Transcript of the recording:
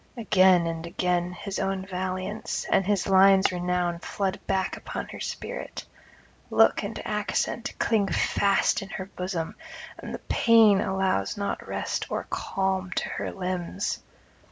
Again and again his own valiance and his line's renown flood back upon her spirit; look and accent cling fast in her bosom, and the pain allows not rest or calm to her limbs.